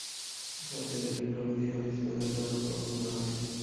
খাদ্যে ধূলি প্রভৃতি সংস্পর্শ যেন কখনও না হয়।